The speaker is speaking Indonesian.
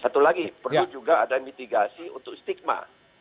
satu lagi perlu juga ada mitigasi untuk stigma